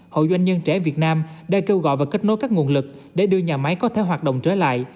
hội doanh nhân trẻ việt nam đã kêu gọi và kết nối các nguồn lực để đưa nhà máy có thể hoạt động trở lại